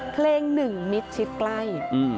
เพลงหนึ่งมิดชิดใกล้